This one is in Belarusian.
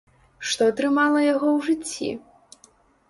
Што трымала яго ў жыцці?